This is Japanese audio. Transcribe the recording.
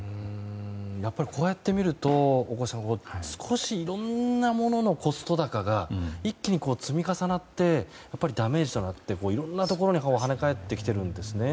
こうやって見るといろんなもののコスト高が一気に積み重なってダメージとなっていろんなところに跳ね返ってきているんですね。